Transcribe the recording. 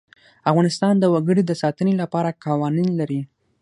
افغانستان د وګړي د ساتنې لپاره قوانین لري.